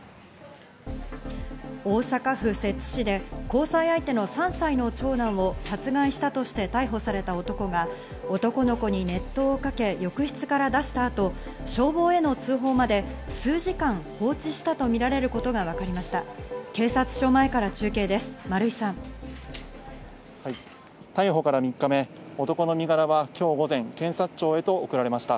大阪府摂津市で交際相手の３歳の長男を殺害したとして逮捕された男が、男の子に熱湯をかけ、浴室から出した後、消防への通報まで数時間、放置したとみられることがわかりました。